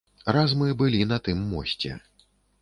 Раз мы былі на тым мосце.